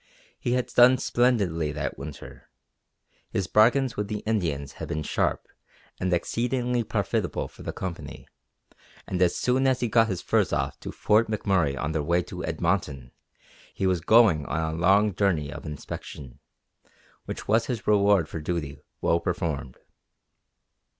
He had done splendidly that winter. His bargains with the Indians had been sharp and exceedingly profitable for the Company and as soon as he got his furs off to Fort McMurray on their way to Edmonton he was going on a long journey of inspection, which was his reward for duty well performed.